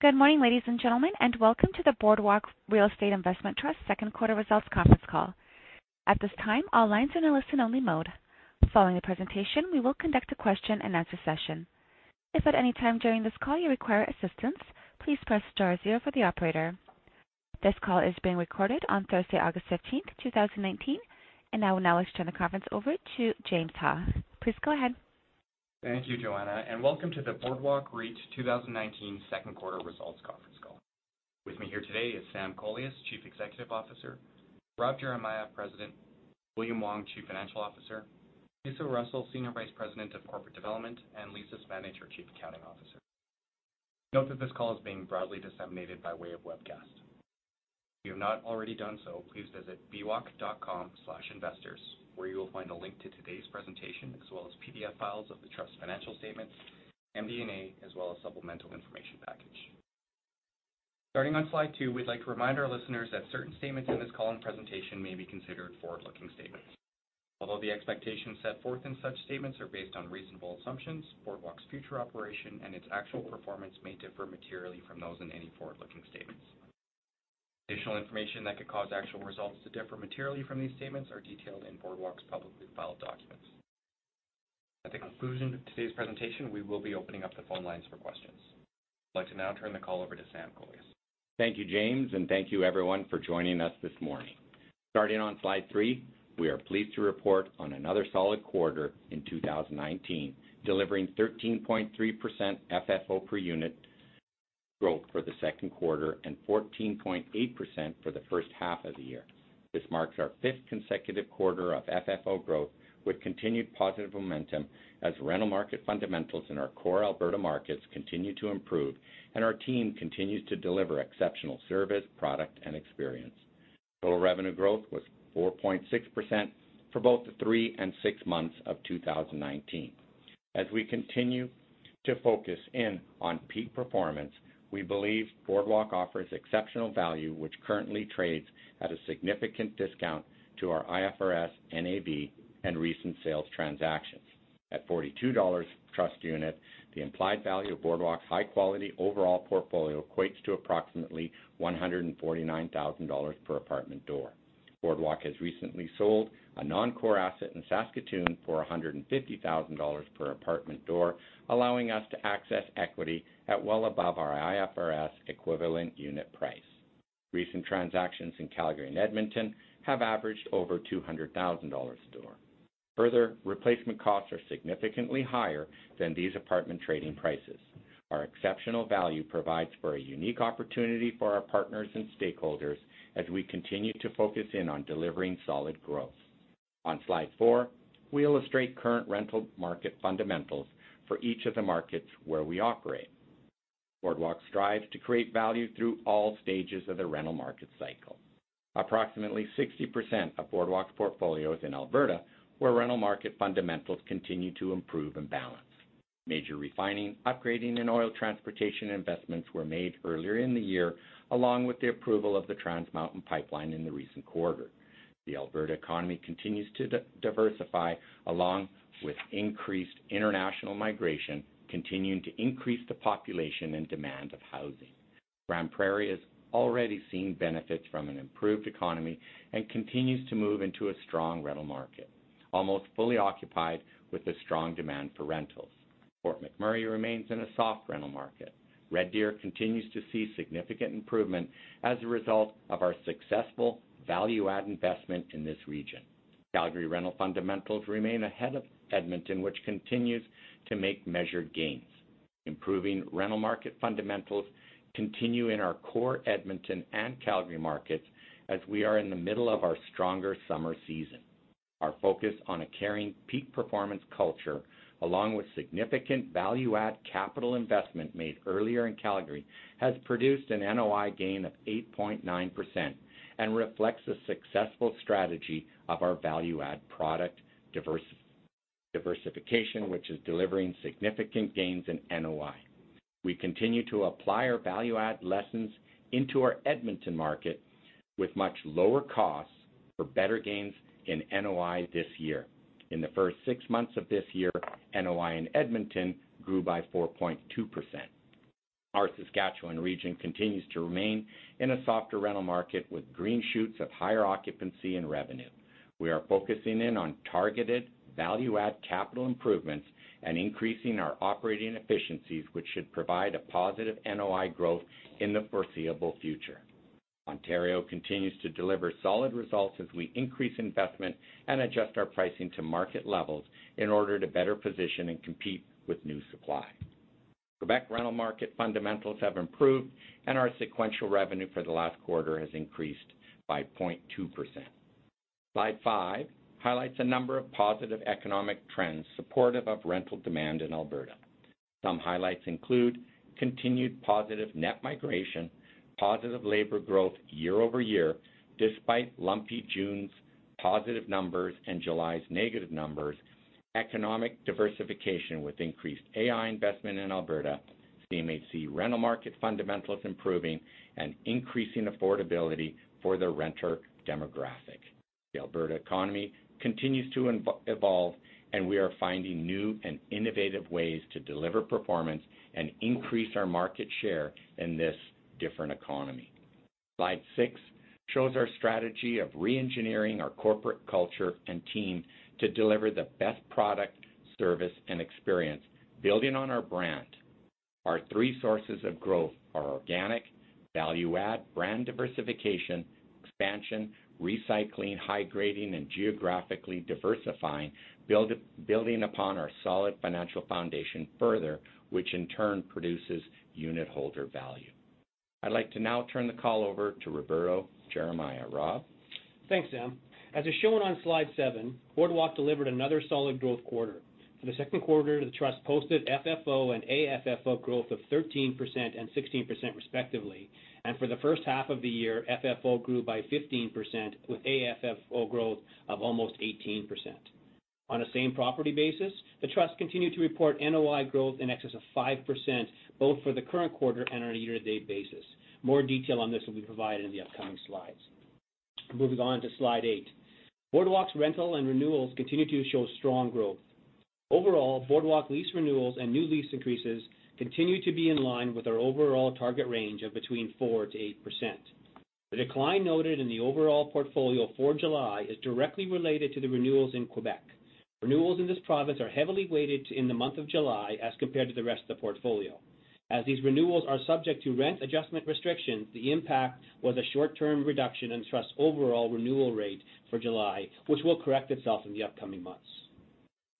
Good morning, ladies and gentlemen, welcome to the Boardwalk Real Estate Investment Trust second quarter results conference call. At this time, all lines are in a listen-only mode. Following the presentation, we will conduct a question and answer session. If at any time during this call you require assistance, please press star zero for the operator. This call is being recorded on Thursday, August 15th, 2019. Now I would now like to turn the conference over to James Ha. Please go ahead. Thank you, Joanna, welcome to the Boardwalk REIT 2019 second quarter results conference call. With me here today is Sam Kolias, Chief Executive Officer, Rob Geremia, President, William Wong, Chief Financial Officer, Lisa Russell, Senior Vice President of Corporate Development, and Lisa Smandych, Chief Accounting Officer. Note that this call is being broadly disseminated by way of webcast. If you have not already done so, please visit bwalk.com/investors, where you will find a link to today's presentation, as well as PDF files of the Trust's financial statements, MD&A, as well as supplemental information package. Starting on slide two, we'd like to remind our listeners that certain statements in this call and presentation may be considered forward-looking statements. Although the expectations set forth in such statements are based on reasonable assumptions, Boardwalk's future operation and its actual performance may differ materially from those in any forward-looking statements. Additional information that could cause actual results to differ materially from these statements are detailed in Boardwalk's publicly filed documents. At the conclusion of today's presentation, we will be opening up the phone lines for questions. I'd like to now turn the call over to Sam Kolias. Thank you, James. Thank you everyone for joining us this morning. Starting on slide three, we are pleased to report on another solid quarter in 2019, delivering 13.3% FFO per unit growth for the second quarter and 14.8% for the first half of the year. This marks our fifth consecutive quarter of FFO growth with continued positive momentum as rental market fundamentals in our core Alberta markets continue to improve, and our team continues to deliver exceptional service, product, and experience. Total revenue growth was 4.6% for both the three and six months of 2019. As we continue to focus in on peak performance, we believe Boardwalk offers exceptional value, which currently trades at a significant discount to our IFRS NAV and recent sales transactions. At 42 dollars trust unit, the implied value of Boardwalk's high-quality overall portfolio equates to approximately 149,000 dollars per apartment door. Boardwalk has recently sold a non-core asset in Saskatoon for 150,000 dollars per apartment door, allowing us to access equity at well above our IFRS equivalent unit price. Recent transactions in Calgary and Edmonton have averaged over CAD 200,000 a door. Further, replacement costs are significantly higher than these apartment trading prices. Our exceptional value provides for a unique opportunity for our partners and stakeholders as we continue to focus in on delivering solid growth. On slide four, we illustrate current rental market fundamentals for each of the markets where we operate. Boardwalk strives to create value through all stages of the rental market cycle. Approximately 60% of Boardwalk's portfolio is in Alberta, where rental market fundamentals continue to improve and balance. Major refining, upgrading, and oil transportation investments were made earlier in the year, along with the approval of the Trans Mountain pipeline in the recent quarter. The Alberta economy continues to diversify, along with increased international migration, continuing to increase the population and demand of housing. Grande Prairie has already seen benefits from an improved economy and continues to move into a strong rental market, almost fully occupied with the strong demand for rentals. Fort McMurray remains in a soft rental market. Red Deer continues to see significant improvement as a result of our successful value-add investment in this region. Calgary rental fundamentals remain ahead of Edmonton, which continues to make measured gains. Improving rental market fundamentals continue in our core Edmonton and Calgary markets as we are in the middle of our stronger summer season. Our focus on a caring, peak-performance culture, along with significant value-add capital investment made earlier in Calgary, has produced an NOI gain of 8.9% and reflects the successful strategy of our value-add product diversification, which is delivering significant gains in NOI. We continue to apply our value-add lessons into our Edmonton market with much lower costs for better gains in NOI this year. In the first six months of this year, NOI in Edmonton grew by 4.2%. Our Saskatchewan region continues to remain in a softer rental market with green shoots of higher occupancy and revenue. We are focusing in on targeted value-add capital improvements and increasing our operating efficiencies, which should provide a positive NOI growth in the foreseeable future. Ontario continues to deliver solid results as we increase investment and adjust our pricing to market levels in order to better position and compete with new supply. Quebec rental market fundamentals have improved, and our sequential revenue for the last quarter has increased by 0.2%. Slide five highlights a number of positive economic trends supportive of rental demand in Alberta. Some highlights include continued positive net migration, positive labor growth year-over-year despite lumpy June's positive numbers and July's negative numbers, economic diversification with increased AI investment in Alberta, CMHC rental market fundamentals improving, and increasing affordability for the renter demographic. The Alberta economy continues to evolve, and we are finding new and innovative ways to deliver performance and increase our market share in this different economy. Slide six shows our strategy of re-engineering our corporate culture and team to deliver the best product, service, and experience, building on our brand. Our three sources of growth are organic, value-add, brand diversification, expansion, recycling, high grading, and geographically diversifying, building upon our solid financial foundation further, which in turn produces unit holder value. I'd like to now turn the call over to Rob Geremia. Rob? Thanks, Sam. As is shown on slide seven, Boardwalk delivered another solid growth quarter. For the second quarter, the Trust posted FFO and AFFO growth of 13% and 16%, respectively. For the first half of the year, FFO grew by 15%, with AFFO growth of almost 18%. On a same property basis, the Trust continued to report NOI growth in excess of 5%, both for the current quarter and on a year-to-date basis. More detail on this will be provided in the upcoming slides. Moving on to slide eight. Boardwalk's rental and renewals continue to show strong growth. Overall, Boardwalk lease renewals and new lease increases continue to be in line with our overall target range of between 4%-8%. The decline noted in the overall portfolio for July is directly related to the renewals in Quebec. Renewals in this province are heavily weighted in the month of July as compared to the rest of the portfolio. As these renewals are subject to rent adjustment restrictions, the impact was a short-term reduction in Trust's overall renewal rate for July, which will correct itself in the upcoming months.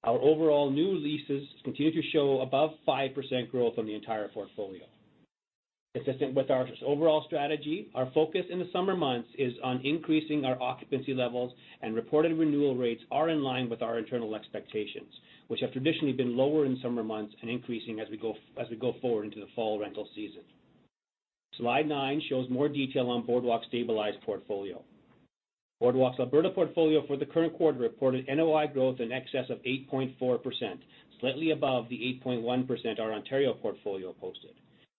Our overall new leases continue to show above 5% growth on the entire portfolio. Consistent with our overall strategy, our focus in the summer months is on increasing our occupancy levels, and reported renewal rates are in line with our internal expectations, which have traditionally been lower in summer months and increasing as we go forward into the fall rental season. Slide nine shows more detail on Boardwalk's stabilized portfolio. Boardwalk's Alberta portfolio for the current quarter reported NOI growth in excess of 8.4%, slightly above the 8.1% our Ontario portfolio posted.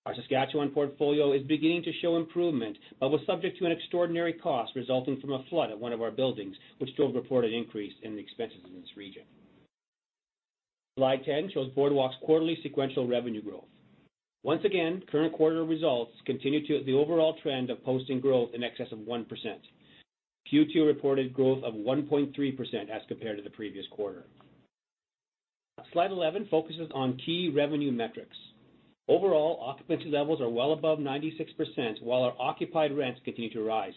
Our Saskatchewan portfolio is beginning to show improvement but was subject to an extraordinary cost resulting from a flood at one of our buildings, which drove a reported increase in expenses in this region. Slide 10 shows Boardwalk's quarterly sequential revenue growth. Once again, current quarter results continue the overall trend of posting growth in excess of 1%. Q2 reported growth of 1.3% as compared to the previous quarter. Slide 11 focuses on key revenue metrics. Overall, occupancy levels are well above 96%, while our occupied rents continue to rise.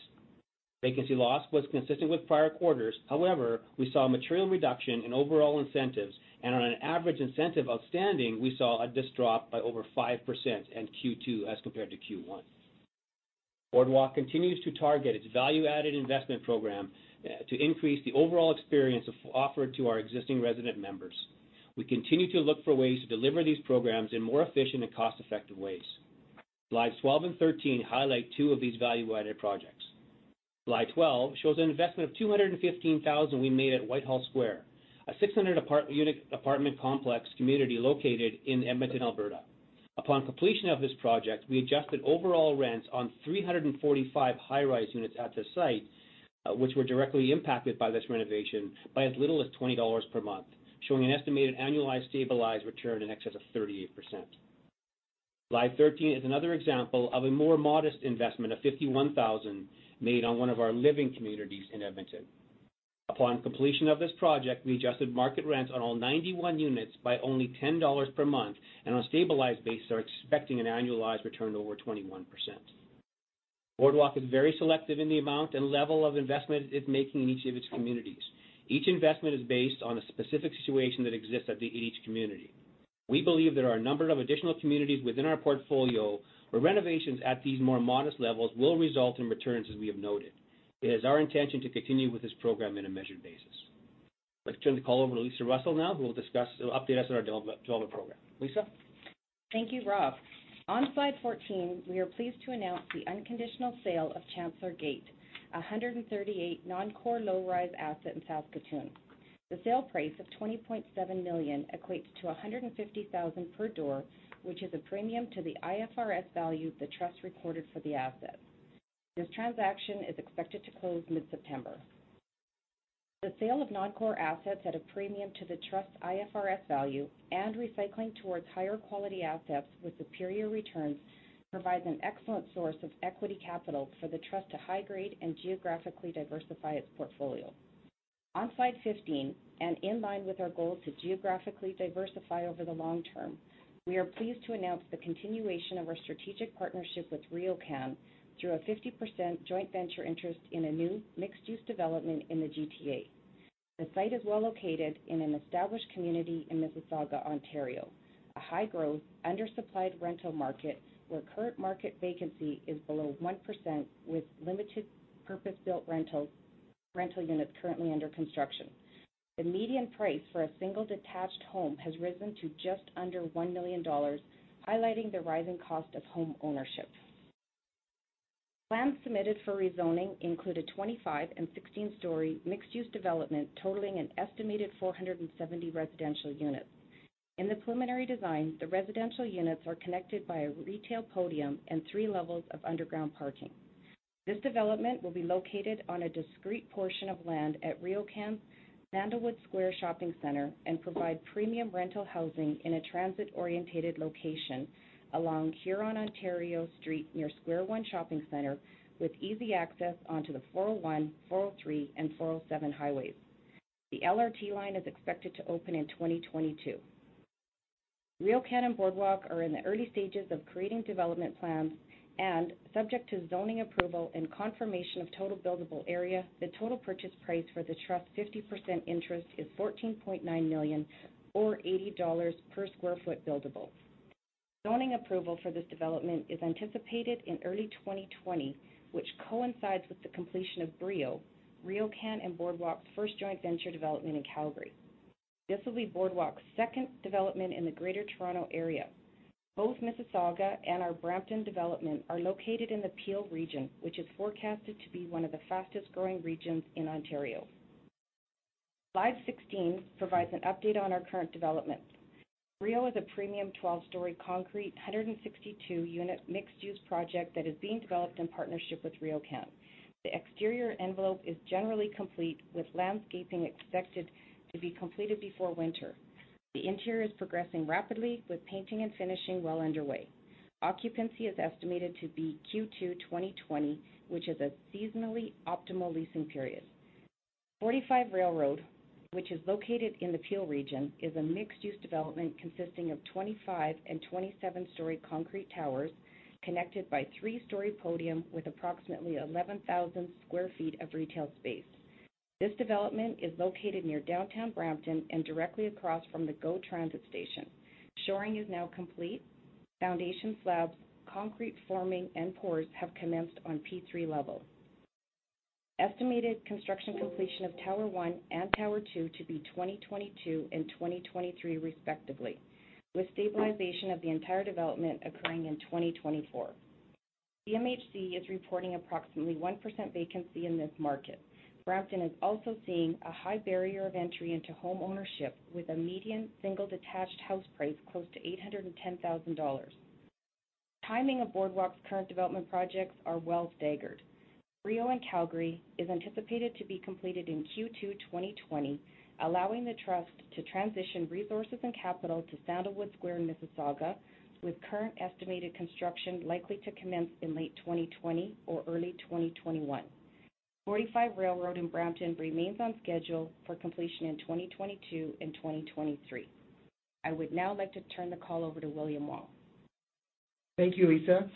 Vacancy loss was consistent with prior quarters. However, we saw a material reduction in overall incentives, and on an average incentive outstanding, we saw this drop by over 5% in Q2 as compared to Q1. Boardwalk continues to target its value-added investment program to increase the overall experience offered to our existing resident members. We continue to look for ways to deliver these programs in more efficient and cost-effective ways. Slides 12 and 13 highlight two of these value-added projects. Slide 12 shows an investment of 215,000 we made at Whitehall Square, a 600-unit apartment complex community located in Edmonton, Alberta. Upon completion of this project, we adjusted overall rents on 345 high-rise units at the site, which were directly impacted by this renovation by as little as 20 dollars per month, showing an estimated annualized stabilized return in excess of 38%. Slide 13 is another example of a more modest investment of 51,000 made on one of our living communities in Edmonton. Upon completion of this project, we adjusted market rents on all 91 units by only 10 dollars per month, and on a stabilized basis are expecting an annualized return of over 21%. Boardwalk is very selective in the amount and level of investment it's making in each of its communities. Each investment is based on a specific situation that exists at each community. We believe there are a number of additional communities within our portfolio where renovations at these more modest levels will result in returns, as we have noted. It is our intention to continue with this program in a measured basis. Let's turn the call over to Lisa Russell now, who will discuss, update us on our development program. Lisa? Thank you, Rob. On slide 14, we are pleased to announce the unconditional sale of Chancellor Gate, 138 non-core low-rise asset in Saskatoon. The sale price of 20.7 million equates to 150,000 per door, which is a premium to the IFRS value the Trust recorded for the asset. This transaction is expected to close mid-September. The sale of non-core assets at a premium to the Trust IFRS value and recycling towards higher quality assets with superior returns provides an excellent source of equity capital for the Trust to high grade and geographically diversify its portfolio. On slide 15, in line with our goal to geographically diversify over the long term, we are pleased to announce the continuation of our strategic partnership with RioCan through a 50% joint venture interest in a new mixed-use development in the GTA. The site is well located in an established community in Mississauga, Ontario, a high-growth, under-supplied rental market where current market vacancy is below 1% with limited purpose-built rental units currently under construction. The median price for a single-detached home has risen to just under 1 million dollars, highlighting the rising cost of homeownership. Plans submitted for rezoning include a 25 and 16-story mixed-use development totaling an estimated 470 residential units. In the preliminary design, the residential units are connected by a retail podium and 3 levels of underground parking. This development will be located on a discrete portion of land at RioCan's Sandalwood Square Shopping Centre and provide premium rental housing in a transit-orientated location along Hurontario Street, near Square One Shopping Center, with easy access onto the 401, 403, and 407 highways. The LRT line is expected to open in 2022. RioCan and Boardwalk are in the early stages of creating development plans, and subject to zoning approval and confirmation of total buildable area, the total purchase price for the Trust's 50% interest is 14.9 million or 80 dollars per sq ft buildable. Zoning approval for this development is anticipated in early 2020, which coincides with the completion of Brio, RioCan and Boardwalk's first joint venture development in Calgary. This will be Boardwalk's second development in the Greater Toronto Area. Both Mississauga and our Brampton development are located in the Peel Region, which is forecasted to be one of the fastest-growing regions in Ontario. Slide 16 provides an update on our current developments. Brio is a premium 12-story concrete, 162-unit mixed-use project that is being developed in partnership with RioCan. The exterior envelope is generally complete, with landscaping expected to be completed before winter. The interior is progressing rapidly, with painting and finishing well underway. Occupancy is estimated to be Q2 2020, which is a seasonally optimal leasing period. 45 Railroad, which is located in the Peel Region, is a mixed-use development consisting of 25- and 27-story concrete towers connected by a three-story podium with approximately 11,000 sq ft of retail space. This development is located near downtown Brampton and directly across from the GO Transit station. Shoring is now complete. Foundation slabs, concrete forming, and pours have commenced on P3 level. Estimated construction completion of tower 1 and tower 2 to be 2022 and 2023 respectively, with stabilization of the entire development occurring in 2024. CMHC is reporting approximately 1% vacancy in this market. Brampton is also seeing a high barrier of entry into homeownership, with a median single-detached house price close to 810,000 dollars. Timing of Boardwalk's current development projects are well-staggered. Brio in Calgary is anticipated to be completed in Q2 2020, allowing the Trust to transition resources and capital to Sandalwood Square in Mississauga, with current estimated construction likely to commence in late 2020 or early 2021. 45 Railroad in Brampton remains on schedule for completion in 2022 and 2023. I would now like to turn the call over to William Wong. Thank you, Lisa.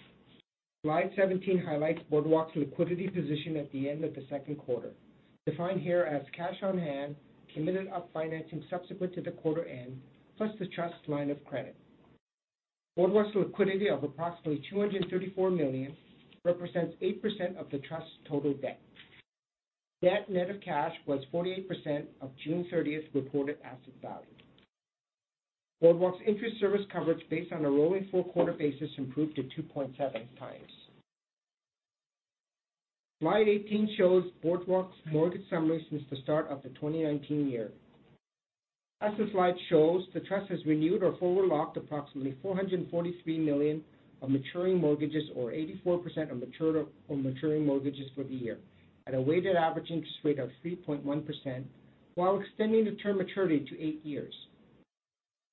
Slide 17 highlights Boardwalk's liquidity position at the end of the second quarter, defined here as cash on hand, committed up financing subsequent to the quarter end, plus the Trust's line of credit. Boardwalk's liquidity of approximately 234 million represents 8% of the Trust's total debt. Debt net of cash was 48% of June 30th reported asset value. Boardwalk's interest service coverage based on a rolling four-quarter basis improved to 2.7 times. Slide 18 shows Boardwalk's mortgage summary since the start of the 2019 year. As the slide shows, the Trust has renewed or forward-locked approximately 443 million of maturing mortgages, or 84% of maturing mortgages for the year, at a weighted average interest rate of 3.1%, while extending the term maturity to eight years.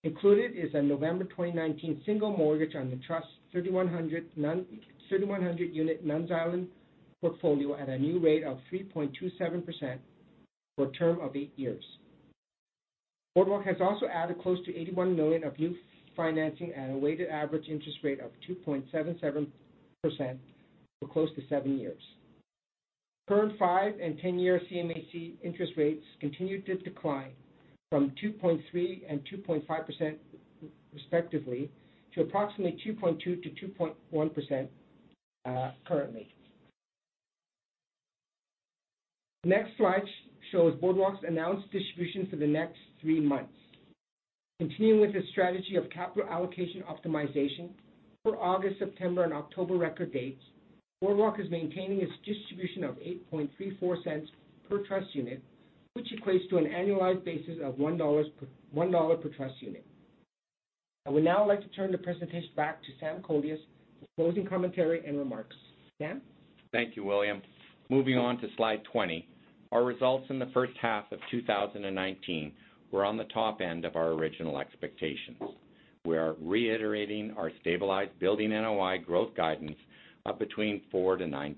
Included is a November 2019 single mortgage on the Trust's 3,100-unit Nuns' Island portfolio at a new rate of 3.27% for a term of eight years. Boardwalk has also added close to 81 million of new financing at a weighted average interest rate of 2.77% for close to seven years. Current five and 10-year CMHC interest rates continued to decline from 2.3% and 2.5% respectively to approximately 2.2%-2.1% currently. The next slide shows Boardwalk's announced distribution for the next three months. Continuing with the strategy of capital allocation optimization, for August, September, and October record dates, Boardwalk is maintaining its distribution of 0.0834 per Trust unit, which equates to an annualized basis of 1 dollars per Trust unit. I would now like to turn the presentation back to Sam Kolias for closing commentary and remarks. Sam? Thank you, William. Moving on to slide 20. Our results in the first half of 2019 were on the top end of our original expectations. We are reiterating our stabilized building NOI growth guidance of between 4% to 9%.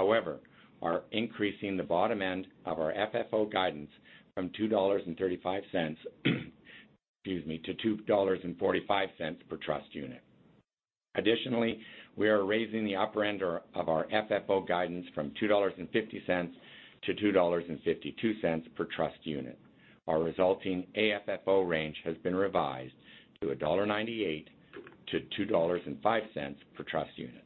We are increasing the bottom end of our FFO guidance from 2.35 dollars, excuse me, to 2.45 dollars per Trust unit. We are raising the upper end of our FFO guidance from 2.50 dollars to 2.52 dollars per Trust unit. Our resulting AFFO range has been revised to dollar 1.98 to 2.05 dollars per Trust unit.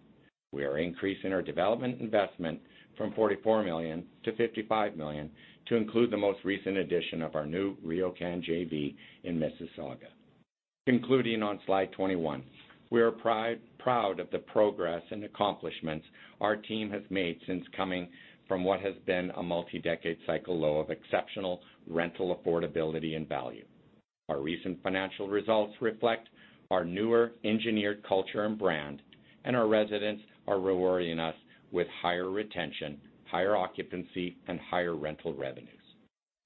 We are increasing our development investment from 44 million to 55 million to include the most recent addition of our new RioCan JV in Mississauga. Concluding on slide 21. We are proud of the progress and accomplishments our team has made since coming from what has been a multi-decade cycle low of exceptional rental affordability and value. Our recent financial results reflect our newer engineered culture and brand, and our residents are rewarding us with higher retention, higher occupancy, and higher rental revenues.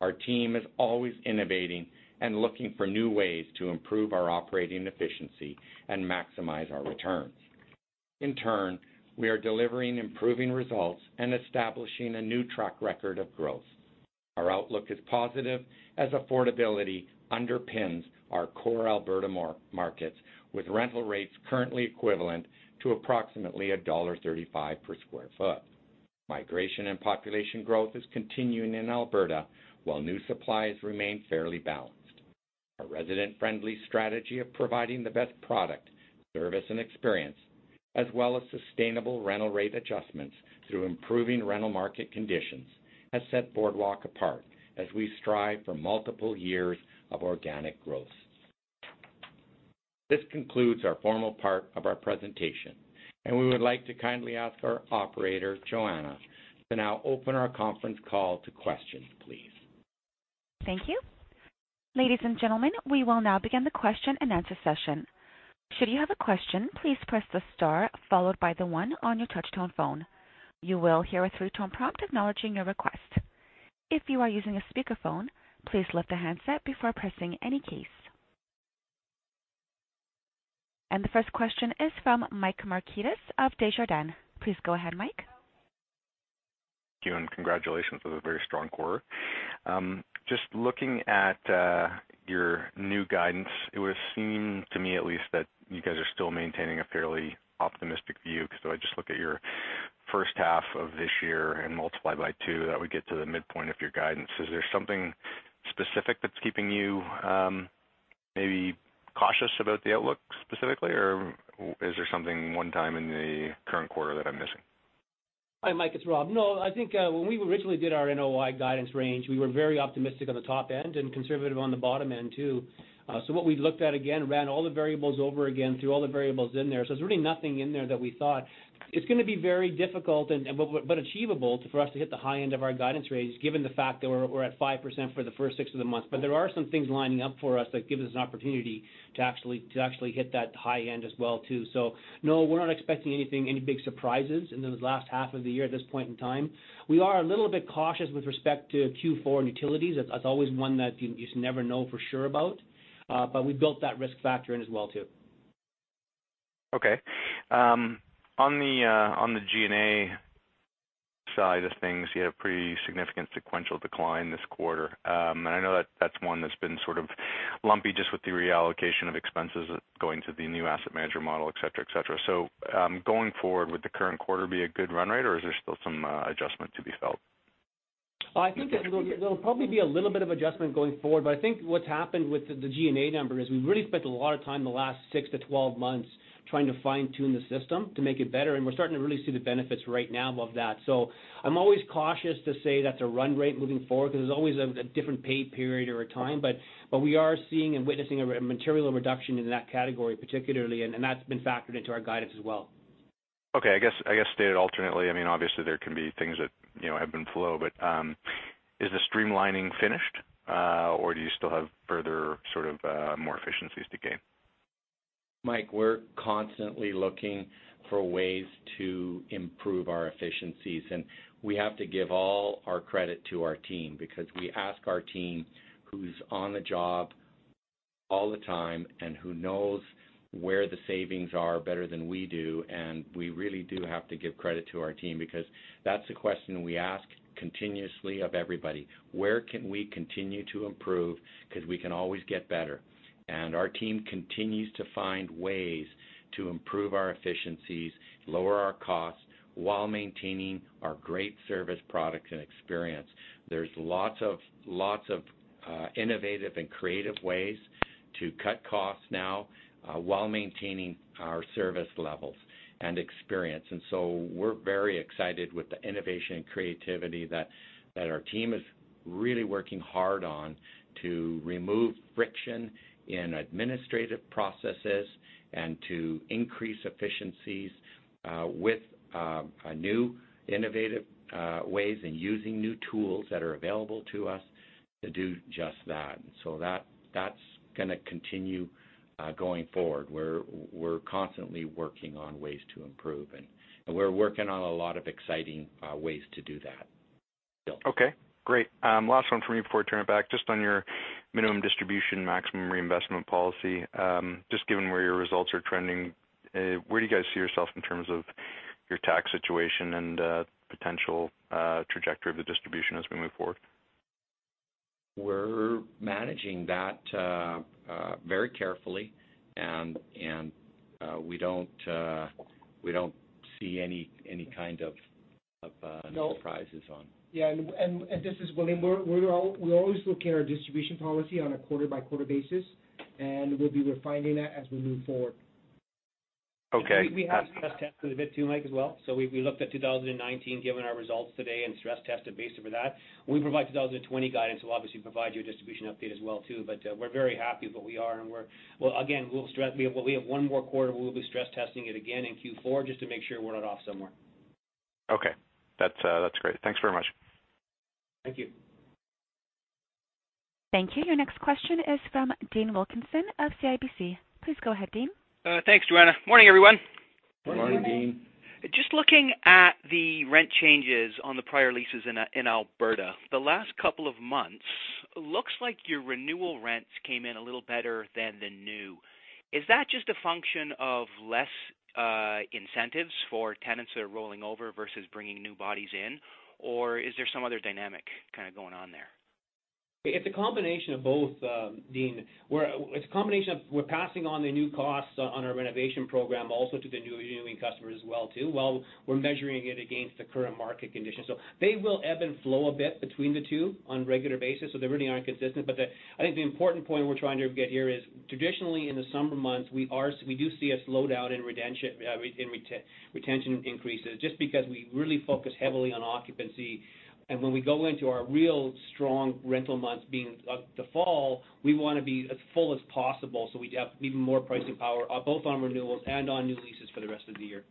Our team is always innovating and looking for new ways to improve our operating efficiency and maximize our returns. In turn, we are delivering improving results and establishing a new track record of growth. Our outlook is positive as affordability underpins our core Alberta markets, with rental rates currently equivalent to approximately dollar 1.35 per square foot. Migration and population growth is continuing in Alberta, while new supplies remain fairly balanced. Our resident-friendly strategy of providing the best product, service, and experience, as well as sustainable rental rate adjustments through improving rental market conditions, has set Boardwalk apart as we strive for multiple years of organic growth. This concludes our formal part of our presentation, and we would like to kindly ask our operator, Joanna, to now open our conference call to questions, please. Thank you. Ladies and gentlemen, we will now begin the question-and-answer session. Should you have a question, please press the star followed by the one on your touch-tone phone. You will hear a three-tone prompt acknowledging your request. If you are using a speakerphone, please lift the handset before pressing any keys. The first question is from Mike Markidis of Desjardins. Please go ahead, Mike. Thank you, and congratulations. It was a very strong quarter. Just looking at your new guidance, it would seem, to me at least, that you guys are still maintaining a fairly optimistic view, because if I just look at your first half of this year and multiply by 2, that would get to the midpoint of your guidance. Is there something specific that's keeping you maybe cautious about the outlook specifically, or is there something one time in the current quarter that I'm missing? Hi, Mike, it's Rob. No, I think when we originally did our NOI guidance range, we were very optimistic on the top end and conservative on the bottom end, too. What we looked at again, ran all the variables over again through all the variables in there. There's really nothing in there that we thought. It's going to be very difficult but achievable for us to hit the high end of our guidance range, given the fact that we're at 5% for the first six of the month. There are some things lining up for us that gives us an opportunity to actually hit that high end as well, too. No, we're not expecting anything, any big surprises in the last half of the year at this point in time. We are a little bit cautious with respect to Q4 and utilities. That's always one that you just never know for sure about. We've built that risk factor in as well, too. Okay. On the G&A side of things, you had a pretty significant sequential decline this quarter. I know that's one that's been sort of lumpy just with the reallocation of expenses going to the new asset manager model, et cetera. Going forward, would the current quarter be a good run rate, or is there still some adjustment to be felt? I think there'll probably be a little bit of adjustment going forward. I think what's happened with the G&A number is we really spent a lot of time in the last 6-12 months trying to fine-tune the system to make it better, and we're starting to really see the benefits right now of that. I'm always cautious to say that's a run rate moving forward because there's always a different pay period or a time. We are seeing and witnessing a material reduction in that category, particularly, and that's been factored into our guidance as well. Okay. I guess stated alternately, obviously there can be things that ebb and flow, but is the streamlining finished, or do you still have further sort of more efficiencies to gain? Mike, we're constantly looking for ways to improve our efficiencies. We have to give all our credit to our team because we ask our team who's on the job all the time and who knows where the savings are better than we do. We really do have to give credit to our team because that's a question we ask continuously of everybody. Where can we continue to improve? We can always get better. Our team continues to find ways to improve our efficiencies, lower our costs, while maintaining our great service, product, and experience. There's lots of innovative and creative ways to cut costs now while maintaining our service levels and experience. We're very excited with the innovation and creativity that our team is really working hard on to remove friction in administrative processes and to increase efficiencies with new innovative ways and using new tools that are available to us to do just that. That's going to continue going forward. We're constantly working on ways to improve, and we're working on a lot of exciting ways to do that still. Okay, great. Last one from me before I turn it back. Just on your minimum distribution, maximum reinvestment policy. Just given where your results are trending, where do you guys see yourself in terms of your tax situation and potential trajectory of the distribution as we move forward? We're managing that very carefully, and we don't see any kind of surprises. Yeah, this is William. We always look at our distribution policy on a quarter-by-quarter basis, and we'll be refining that as we move forward. Okay. We have stress-tested a bit too, Mike, as well. We looked at 2019, given our results today, and stress-tested based over that. When we provide 2020 guidance, we'll obviously provide you a distribution update as well too. We're very happy with where we are, and we have one more quarter. We'll be stress-testing it again in Q4 just to make sure we're not off somewhere. Okay. That's great. Thanks very much. Thank you. Thank you. Your next question is from Dean Wilkinson of CIBC. Please go ahead, Dean. Thanks, Joanna. Morning, everyone. Morning, Dean. Just looking at the rent changes on the prior leases in Alberta. The last couple of months, looks like your renewal rents came in a little better than the new. Is that just a function of less incentives for tenants that are rolling over versus bringing new bodies in, or is there some other dynamic kind of going on there? It's a combination of both, Dean. It's a combination of we're passing on the new costs on our renovation program also to the new customers as well, too, while we're measuring it against the current market conditions. They will ebb and flow a bit between the two on a regular basis, so they really aren't consistent. I think the important point we're trying to get here is traditionally in the summer months, we do see a slowdown in retention increases just because we really focus heavily on occupancy. When we go into our real strong rental months being the fall, we want to be as full as possible, so we have even more pricing power, both on renewals and on new leases for the rest of the year.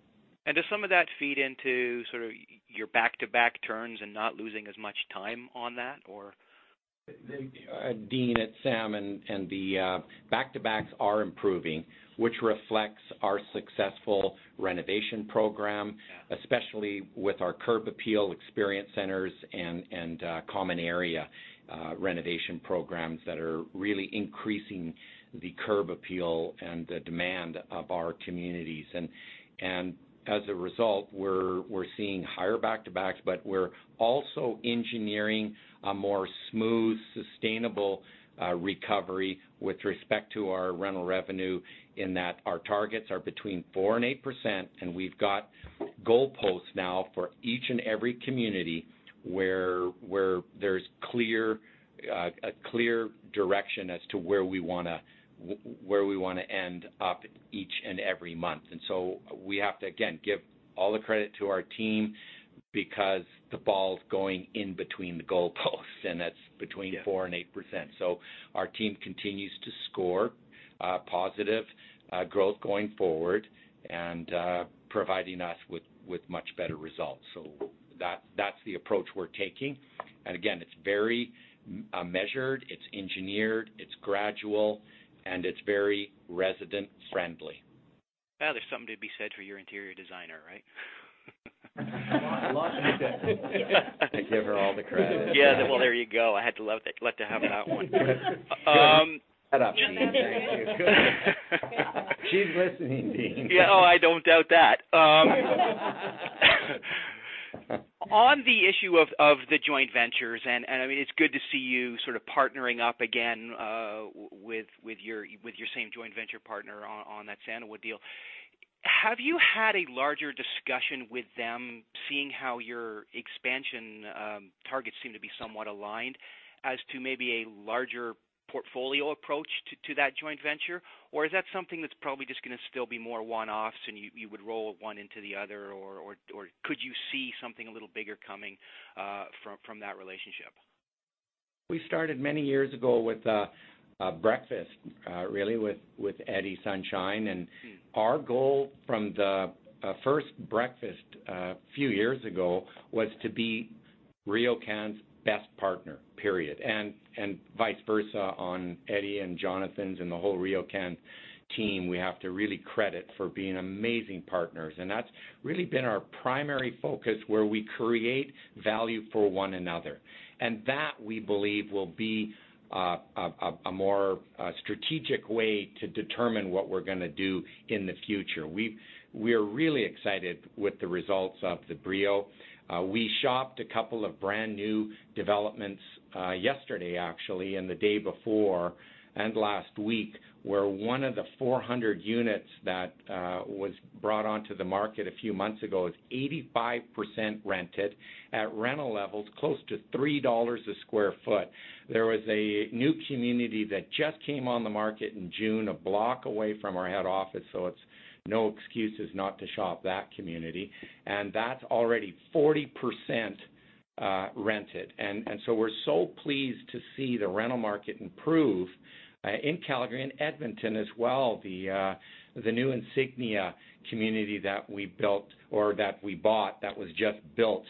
Does some of that feed into sort of your back-to-back turns and not losing as much time on that or? Dean, it's Sam. The back-to-backs are improving, which reflects our successful renovation program. Yeah. Especially with our curb appeal experience centers and common area renovation programs that are really increasing the curb appeal and the demand of our communities. As a result, we're seeing higher back-to-backs. We're also engineering a more smooth, sustainable recovery with respect to our rental revenue in that our targets are between 4% and 8%, and we've got goalposts now for each and every community where there's a clear direction as to where we want to end up each and every month. We have to, again, give all the credit to our team because the ball's going in between the goalposts and that's between 4% and 8%. Our team continues to score positive growth going forward and providing us with much better results. That's the approach we're taking. Again, it's very measured, it's engineered, it's gradual, and it's very resident-friendly. Well, there's something to be said for your interior designer, right? Well said. I give her all the credit. Yeah. Well, there you go. I had to have that one. Shut up, Dean. Thank you. She's listening, Dean. Yeah. Oh, I don't doubt that. On the issue of the joint ventures, and it's good to see you sort of partnering up again, with your same joint venture partner on that Sandalwood deal. Have you had a larger discussion with them seeing how your expansion targets seem to be somewhat aligned as to maybe a larger portfolio approach to that joint venture? Is that something that's probably just going to still be more one-offs, and you would roll one into the other, or could you see something a little bigger coming from that relationship? We started many years ago with a breakfast, really with Edward Sonshine. Our goal from the first breakfast a few years ago was to be RioCan's best partner, period. Vice versa on Edward and Jonathan's and the whole RioCan team, we have to really credit for being amazing partners. That's really been our primary focus, where we create value for one another. That we believe will be a more strategic way to determine what we're going to do in the future. We are really excited with the results of the Brio. We shopped a couple of brand-new developments yesterday actually, and the day before, and last week, where one of the 400 units that was brought onto the market a few months ago is 85% rented at rental levels close to 3 dollars a square foot. There was a new community that just came on the market in June, a block away from our head office, so it's no excuses not to shop that community. That's already 40% rented. We're so pleased to see the rental market improve in Calgary and Edmonton as well. The new Insignia Tower that we built or that we bought that was just built,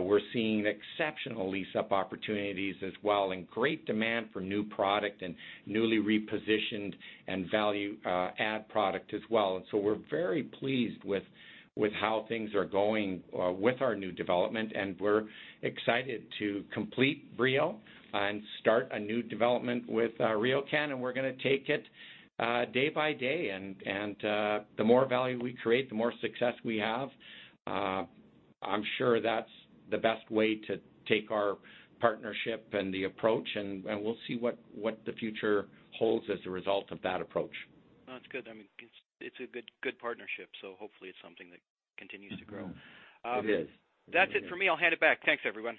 we're seeing exceptional lease-up opportunities as well and great demand for new product and newly repositioned and value-add product as well. We're very pleased with how things are going with our new development, and we're excited to complete Brio and start a new development with RioCan. We're going to take it day by day. The more value we create, the more success we have. I'm sure that's the best way to take our partnership and the approach, and we'll see what the future holds as a result of that approach. No, it's good. It's a good partnership. Hopefully it's something that continues to grow. It is. That's it for me. I'll hand it back. Thanks, everyone.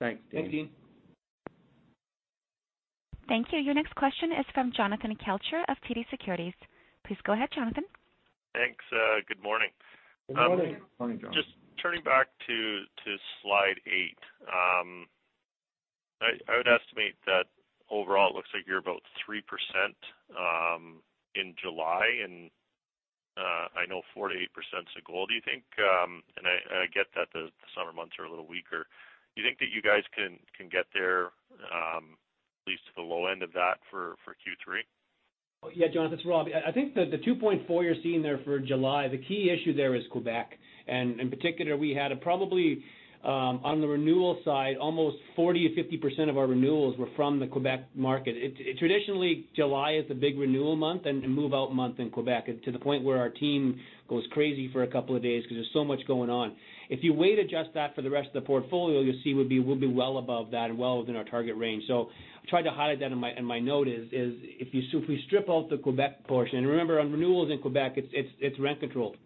Thanks, Dean. Thank you. Your next question is from Jonathan Kelcher of TD Securities. Please go ahead, Jonathan. Thanks. Good morning. Good morning. Morning, Jonathan. Just turning back to slide eight. I would estimate that overall it looks like you're about 3% in July. I know 4%-8% is the goal. I get that the summer months are a little weaker. Do you think that you guys can get there, at least to the low end of that for Q3? Yeah, Jonathan, it's Rob. I think the 2.4 you're seeing there for July, the key issue there is Quebec. In particular, we had probably, on the renewal side, almost 40%-50% of our renewals were from the Quebec market. Traditionally, July is the big renewal month and move-out month in Quebec, to the point where our team goes crazy for a couple of days because there's so much going on. If you weight adjust that for the rest of the portfolio, you'll see we'll be well above that and well within our target range. I tried to highlight that in my note. If we strip out the Quebec portion, remember on renewals in Quebec, it's rent control.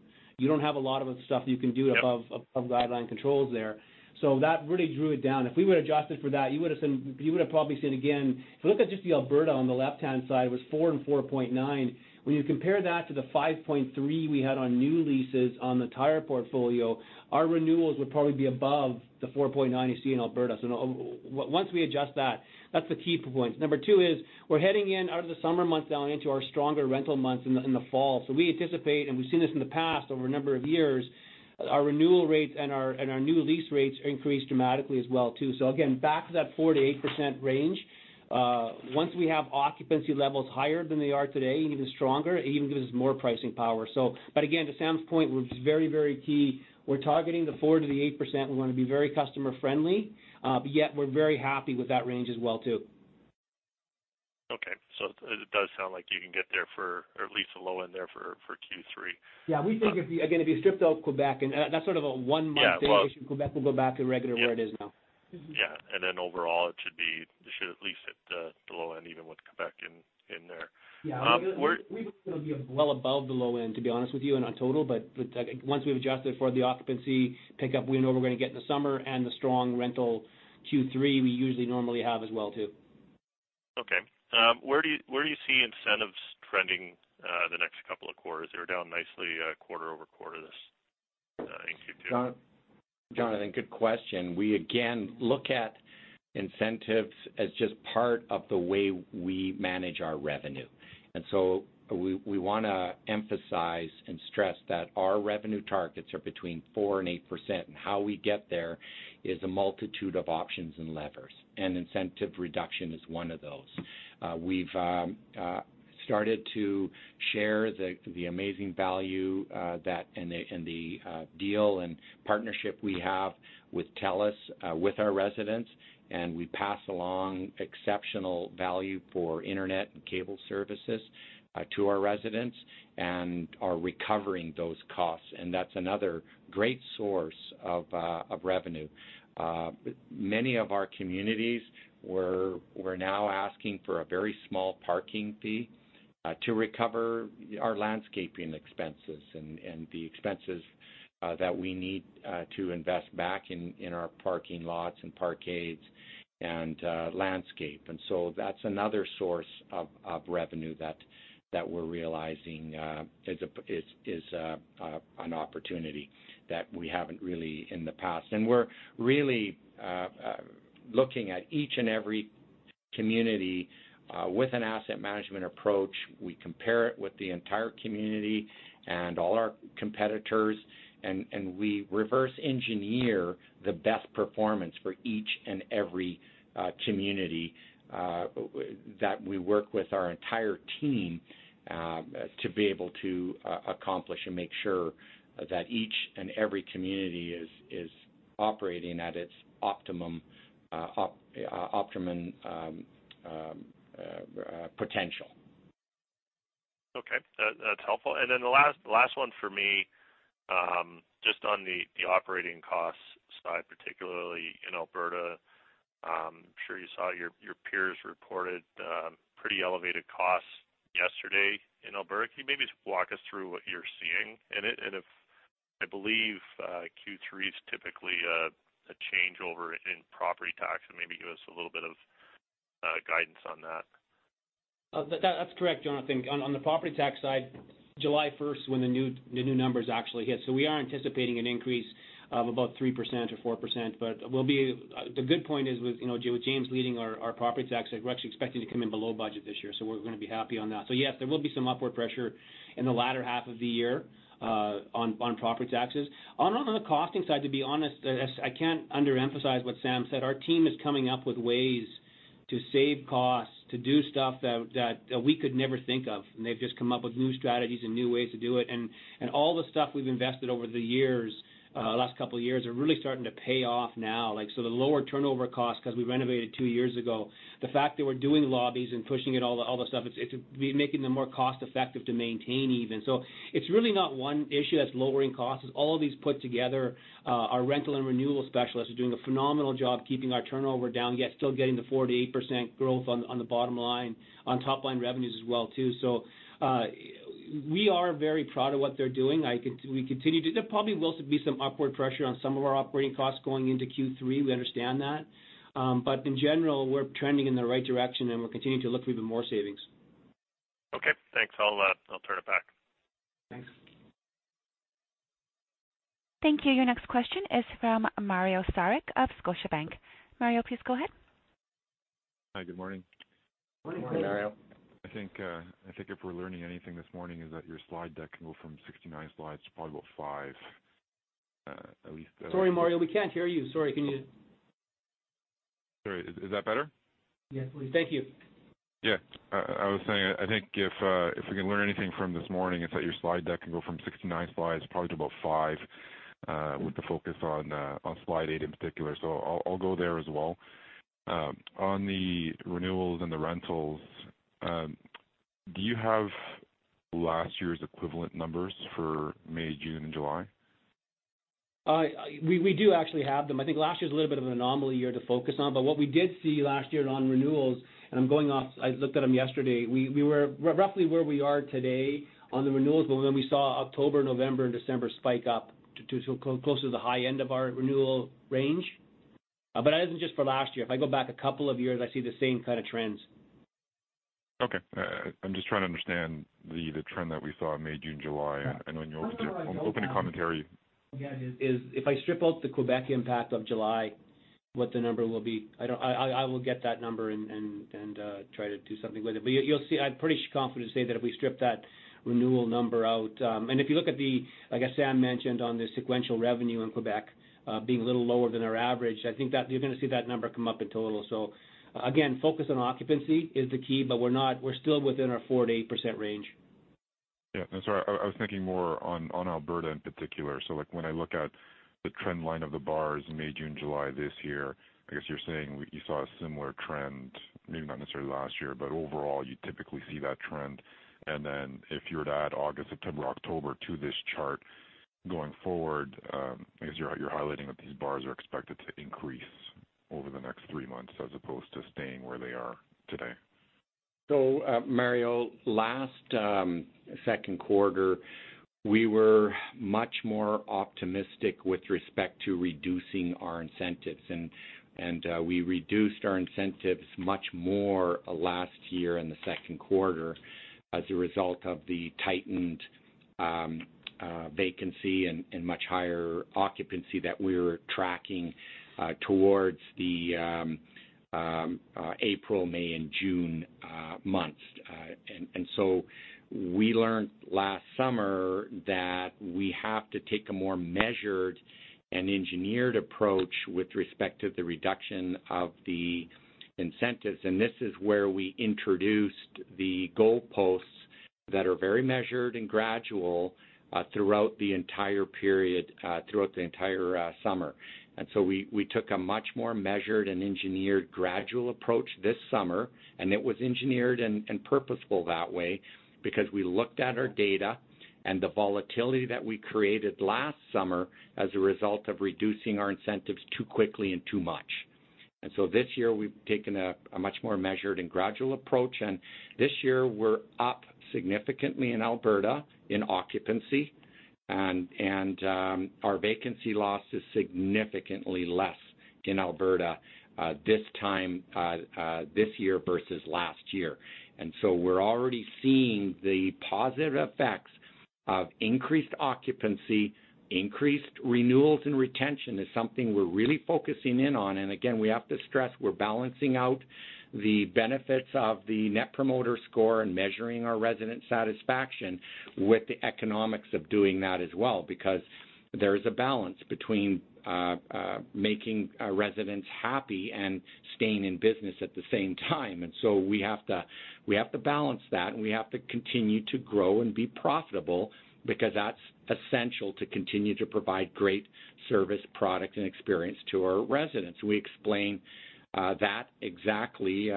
You don't have a lot of stuff you can do above guideline controls there. That really drew it down. If we would've adjusted for that, you would've probably seen again, if you look at just the Alberta on the left-hand side, it was 4% and 4.9%. When you compare that to the 5.3% we had on new leases on the entire portfolio, our renewals would probably be above the 4.9% you see in Alberta. Once we adjust that's the key point. Number two is we're heading in out of the summer months now into our stronger rental months in the fall. We anticipate, and we've seen this in the past over a number of years, our renewal rates and our new lease rates increase dramatically as well too. Again, back to that 4% to 8% range. Once we have occupancy levels higher than they are today and even stronger, it even gives us more pricing power. Again, to Sam's point, which is very key, we're targeting the 4%-8%. We want to be very customer-friendly. Yet we're very happy with that range as well too. Okay. It does sound like you can get there for, or at least the low end there for Q3. Yeah. We think if, again, if you stripped out Quebec, and that's sort of a one-month thing. Yeah, well. Quebec will go back to regular where it is now. Yeah. Overall it should at least hit the low end, even with Quebec in there. Yeah. We think it'll be well above the low end, to be honest with you on our total, but once we've adjusted for the occupancy pickup we know we're going to get in the summer and the strong rental Q3 we usually normally have as well too. Okay. Where do you see incentives trending the next couple of quarters? They were down nicely quarter-over-quarter this Q2. Jonathan, good question. We again look at incentives as just part of the way we manage our revenue. We want to emphasize and stress that our revenue targets are between 4% and 8%, and how we get there is a multitude of options and levers, and incentive reduction is one of those. We've started to share the amazing value and the deal and partnership we have with Telus with our residents, and we pass along exceptional value for internet and cable services to our residents and are recovering those costs, and that's another great source of revenue. Many of our communities, we're now asking for a very small parking fee to recover our landscaping expenses and the expenses that we need to invest back in our parking lots and parkades and landscape. That's another source of revenue that we're realizing is an opportunity that we haven't really in the past. We're really looking at each and every community with an asset management approach. We compare it with the entire community and all our competitors, and we reverse engineer the best performance for each and every community that we work with our entire team to be able to accomplish and make sure that each and every community is operating at its optimum potential. Okay. That's helpful. The last one from me, just on the operating cost side, particularly in Alberta. I am sure you saw your peers reported pretty elevated costs yesterday in Alberta. Can you maybe just walk us through what you are seeing in it? I believe Q3 is typically a changeover in property tax, and maybe give us a little bit of guidance on that. That's correct, Jonathan. On the property tax side, July 1st when the new numbers actually hit. We are anticipating an increase of about 3% or 4%. The good point is with James leading our property tax, we're actually expecting to come in below budget this year, so we're going to be happy on that. Yes, there will be some upward pressure in the latter half of the year on property taxes. On the costing side, to be honest, I can't under-emphasize what Sam said. Our team is coming up with ways to save costs, to do stuff that we could never think of, they've just come up with new strategies and new ways to do it. All the stuff we've invested over the years, last couple of years, are really starting to pay off now. The lower turnover cost because we renovated two years ago. The fact that we're doing lobbies and pushing it, all the stuff, it's making them more cost-effective to maintain even. It's really not one issue that's lowering costs. It's all of these put together. Our rental and renewal specialists are doing a phenomenal job keeping our turnover down, yet still getting the 4%-8% growth on the bottom line. On top-line revenues as well, too. We are very proud of what they're doing. There probably will be some upward pressure on some of our operating costs going into Q3, we understand that. In general, we're trending in the right direction and we're continuing to look for even more savings. Okay, thanks. I'll turn it back. Thanks. Thank you. Your next question is from Mario Saric of Scotiabank. Mario, please go ahead. Hi, good morning. Morning, Mario. Good morning. I think if we're learning anything this morning, it's that your slide deck can go from 69 slides to probably about five. Sorry, Mario, we can't hear you. Sorry, can you? Sorry, is that better? Yes, please. Thank you. Yeah. I was saying, I think if we can learn anything from this morning, it's that your slide deck can go from 69 slides probably to about five, with the focus on slide eight in particular. I'll go there as well. On the renewals and the rentals, do you have last year's equivalent numbers for May, June, and July? We do actually have them. I think last year's a little bit of an anomaly year to focus on. What we did see last year on renewals, and I looked at them yesterday, we were roughly where we are today on the renewals, but then we saw October, November, and December spike up to close to the high end of our renewal range. That isn't just for last year. If I go back a couple of years, I see the same kind of trends. Okay. I'm just trying to understand the trend that we saw in May, June, July, and on your open commentary. If I strip out the Quebec impact of July, what the number will be, I will get that number and try to do something with it. You'll see, I'm pretty confident to say that if we strip that renewal number out. If you look at the, like Sam mentioned on the sequential revenue in Quebec being a little lower than our average, I think that you're going to see that number come up a little. Again, focus on occupancy is the key, but we're still within our 4%-8% range. Yeah. I was thinking more on Alberta in particular. When I look at the trend line of the bars May, June, July this year, I guess you're saying you saw a similar trend, maybe not necessarily last year, but overall, you typically see that trend. If you're to add August, September, October to this chart going forward, I guess you're highlighting that these bars are expected to increase over the next three months as opposed to staying where they are today. Mario, last second quarter, we were much more optimistic with respect to reducing our incentives. We reduced our incentives much more last year in the second quarter as a result of the tightened vacancy and much higher occupancy that we were tracking towards the April, May, and June months. We learned last summer that we have to take a more measured and engineered approach with respect to the reduction of the incentives. This is where we introduced the goalposts that are very measured and gradual throughout the entire summer. We took a much more measured and engineered gradual approach this summer, and it was engineered and purposeful that way because we looked at our data and the volatility that we created last summer as a result of reducing our incentives too quickly and too much. This year, we've taken a much more measured and gradual approach, this year we're up significantly in Alberta in occupancy. Our vacancy loss is significantly less in Alberta this year versus last year. We're already seeing the positive effects of increased occupancy. Increased renewals and retention is something we're really focusing in on. Again, we have to stress, we're balancing out the benefits of the Net Promoter Score and measuring our resident satisfaction with the economics of doing that as well. Because there is a balance between making our residents happy and staying in business at the same time. We have to balance that, and we have to continue to grow and be profitable because that's essential to continue to provide great service, product, and experience to our residents. We explain that exactly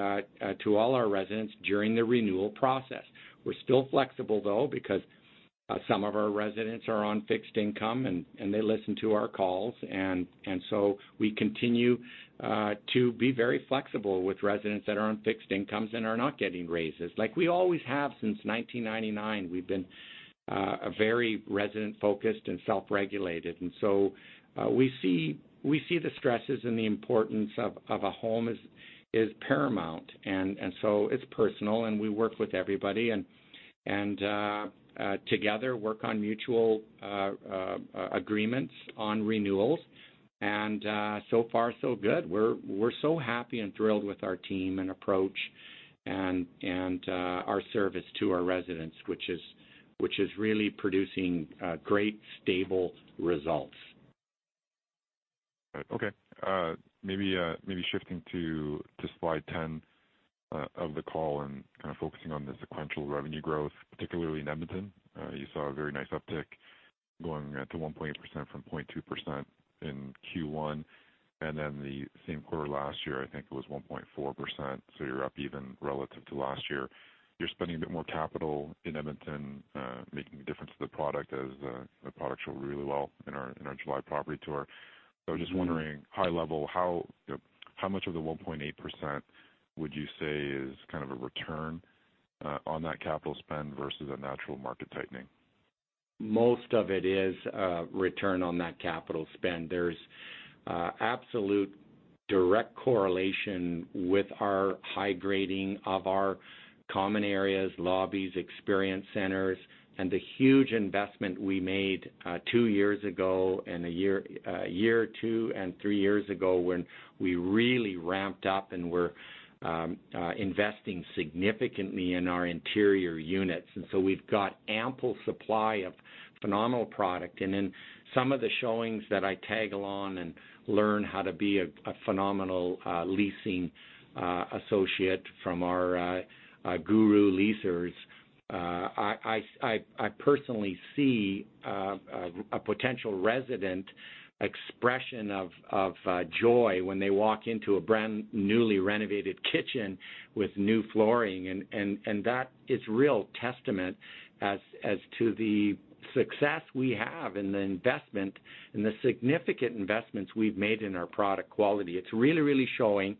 to all our residents during the renewal process. We're still flexible, though, because some of our residents are on fixed income, and they listen to our calls. We continue to be very flexible with residents that are on fixed incomes and are not getting raises. Like we always have since 1999, we've been very resident-focused and self-regulated. We see the stresses, and the importance of a home is paramount. It's personal, and we work with everybody, and together work on mutual agreements on renewals. So far, so good. We're so happy and thrilled with our team and approach, and our service to our residents, which is really producing great, stable results. Maybe shifting to slide 10 of the call and kind of focusing on the sequential revenue growth, particularly in Edmonton. You saw a very nice uptick going to 1.8% from 0.2% in Q1. The same quarter last year, I think it was 1.4%, so you're up even relative to last year. You're spending a bit more capital in Edmonton, making a difference to the product as the product showed really well in our July property tour. Just wondering, high level, how much of the 1.8% would you say is kind of a return on that capital spend versus a natural market tightening? Most of it is a return on that capital spend. There's absolute direct correlation with our high grading of our common areas, lobbies, experience centers, and the huge investment we made two years ago, and a year two and three years ago when we really ramped up and were investing significantly in our interior units. We've got ample supply of phenomenal product. In some of the showings that I tag along and learn how to be a phenomenal leasing associate from our guru leasers, I personally see a potential resident expression of joy when they walk into a brand newly renovated kitchen with new flooring. That is real testament as to the success we have in the investment and the significant investments we've made in our product quality. It's really, really showing,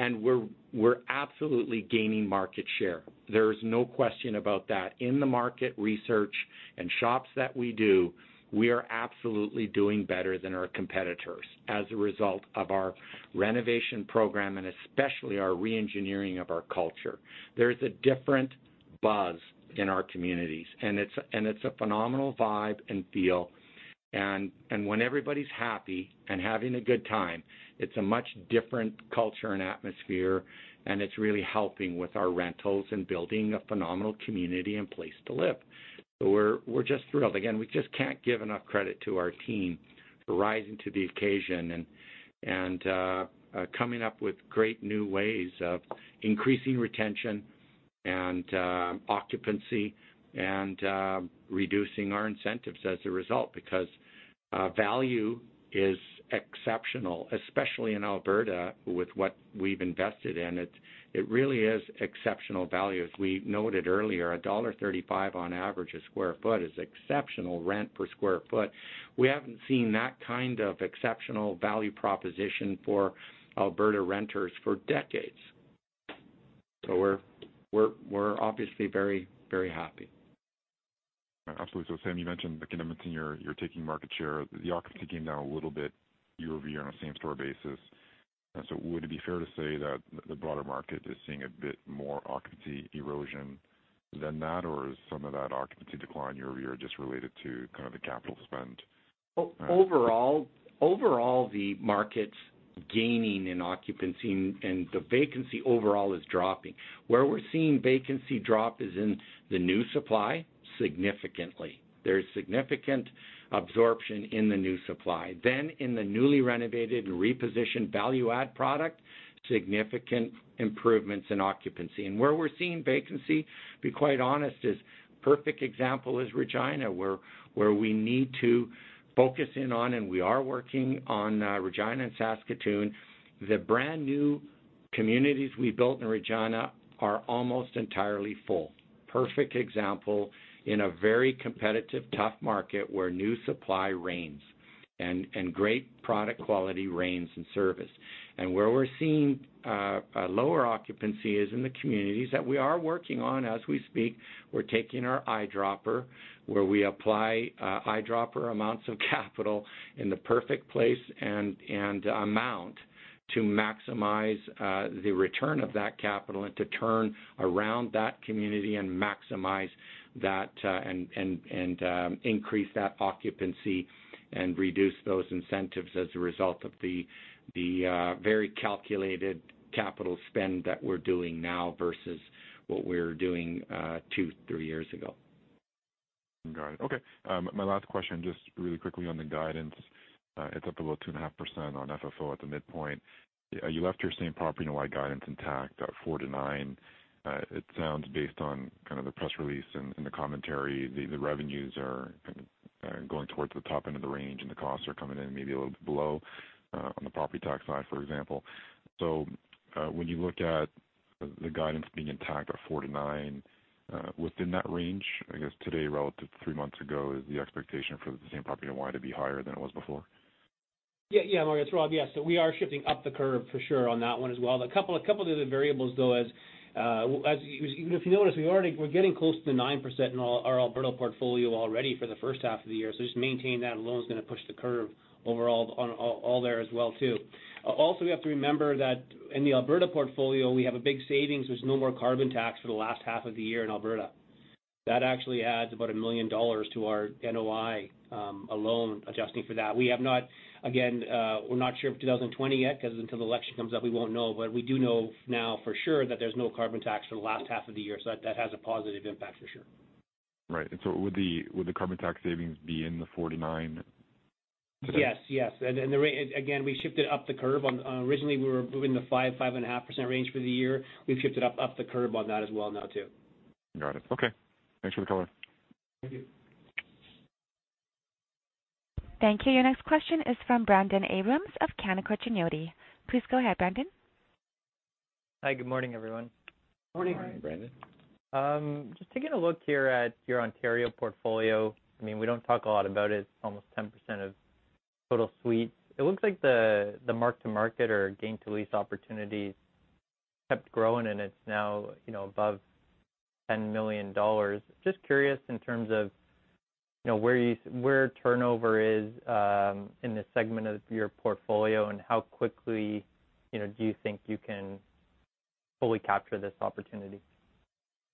and we're absolutely gaining market share. There's no question about that. In the market research and shops that we do, we are absolutely doing better than our competitors as a result of our renovation program and especially our re-engineering of our culture. There's a different buzz in our communities, it's a phenomenal vibe and feel. When everybody's happy and having a good time, it's a much different culture and atmosphere, and it's really helping with our rentals and building a phenomenal community and place to live. We're just thrilled. Again, we just can't give enough credit to our team for rising to the occasion and coming up with great new ways of increasing retention and occupancy, and reducing our incentives as a result. Value is exceptional, especially in Alberta with what we've invested in. It really is exceptional value. As we noted earlier, dollar 1.35 on average a square foot is exceptional rent per square foot. We haven't seen that kind of exceptional value proposition for Alberta renters for decades. We're obviously very, very happy. Absolutely. Sam, you mentioned Edmonton, you're taking market share. The occupancy came down a little bit year-over-year on a same-store basis. Would it be fair to say that the broader market is seeing a bit more occupancy erosion than that, or is some of that occupancy decline year-over-year just related to kind of the capital spend? Overall, the market's gaining in occupancy, and the vacancy overall is dropping. Where we're seeing vacancy drop is in the new supply significantly. There's significant absorption in the new supply. In the newly renovated repositioned value add product, significant improvements in occupancy. Where we're seeing vacancy, be quite honest, is perfect example is Regina, where we need to focus in on, and we are working on Regina and Saskatoon. The brand-new communities we built in Regina are almost entirely full. Perfect example in a very competitive, tough market where new supply reigns, and great product quality reigns and service. Where we're seeing lower occupancy is in the communities that we are working on as we speak. We're taking our eyedropper, where we apply eyedropper amounts of capital in the perfect place and amount to maximize the return of that capital and to turn around that community and maximize that, and increase that occupancy and reduce those incentives as a result of the very calculated capital spend that we're doing now versus what we were doing two, three years ago. Got it. Okay. My last question, just really quickly on the guidance. It is up about 2.5% on FFO at the midpoint. You left your same-property NOI guidance intact at 4%-9%. It sounds based on kind of the press release and the commentary, the revenues are going towards the top end of the range, and the costs are coming in maybe a little bit below, on the property tax side, for example. When you look at the guidance being intact at 4%-9%, within that range, I guess today relative to three months ago, is the expectation for the same-property NOI to be higher than it was before? Rob. Yes. We are shifting up the curve for sure on that one as well. A couple of the other variables, though, if you notice, we're getting close to the 9% in our Alberta portfolio already for the first half of the year. Just maintaining that alone is going to push the curve overall on all there as well too. Also, we have to remember that in the Alberta portfolio, we have a big savings. There's no more carbon tax for the last half of the year in Alberta. That actually adds about 1 million dollars to our NOI alone, adjusting for that. We have not, again, we're not sure of 2020 yet because until the election comes up, we won't know. We do know now for sure that there's no carbon tax for the last half of the year. That has a positive impact for sure. Right. Would the carbon tax savings be in the 49? Yes. Again, we shifted up the curve. Originally, we were moving the 5%-5.5% range for the year. We've shifted up the curve on that as well now, too. Got it. Okay. Thanks for the color. Thank you. Thank you. Your next question is from Brendon Abrams of Canaccord Genuity. Please go ahead, Brendon. Hi, good morning, everyone. Good morning, Brendon. Just taking a look here at your Ontario portfolio. We don't talk a lot about it. It's almost 10% of total suites. It looks like the mark-to-market or gain-to-lease opportunities kept growing and it's now above 10 million dollars. Just curious in terms of where turnover is in this segment of your portfolio, and how quickly do you think you can fully capture this opportunity?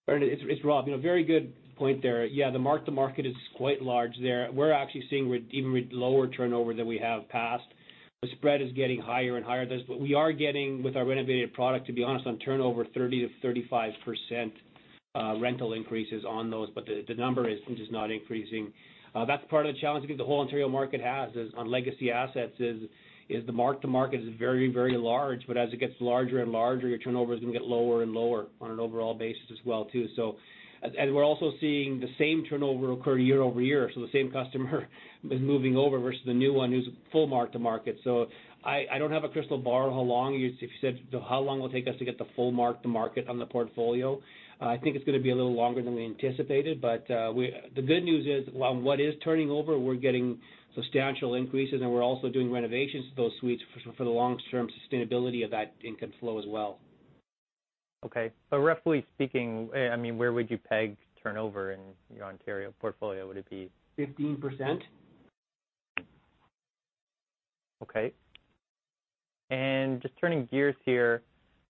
Brendon, it's Rob. Very good point there. Yeah, the mark-to-market is quite large there. We're actually seeing even lower turnover than we have past. The spread is getting higher and higher. We are getting, with our renovated product, to be honest, on turnover, 30%-35% rental increases on those, but the number is just not increasing. That's part of the challenge, I think, the whole Ontario market has is on legacy assets is the mark-to-market is very large, as it gets larger and larger, your turnover is going to get lower and lower on an overall basis as well, too. We're also seeing the same turnover occur year-over-year. The same customer is moving over versus the new one who's full mark to market. I don't have a crystal ball how long it will take us to get the full mark-to-market on the portfolio. I think it's going to be a little longer than we anticipated, but the good news is, while what is turning over, we're getting substantial increases, and we're also doing renovations to those suites for the long-term sustainability of that income flow as well. Okay. Roughly speaking, where would you peg turnover in your Ontario portfolio? 15%. Okay. Just turning gears here,